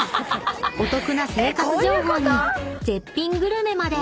お得な生活情報に絶品グルメまで］